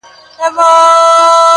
کله هسک ته کله ستورو ته ختلای.!